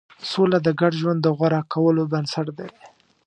سوله د ګډ ژوند د غوره کولو بنسټ دی.